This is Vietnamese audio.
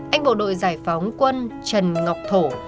anh bộ đội giải phóng quân trần ngọc thổ